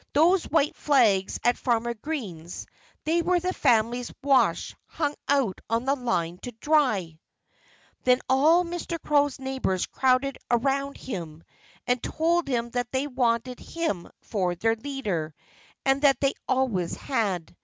Those white flags at Farmer Green's they were the family wash, hung out on the line to dry!" Then all Mr. Crow's neighbors crowded around him and told him that they wanted him for their leader and that they always had.